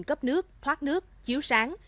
cấp nước thoát nước chiếu sáng